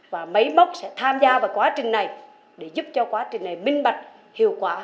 và mấy mốc sẽ tham gia vào quá trình này để giúp cho quá trình này minh mạch hiệu quả hợp lý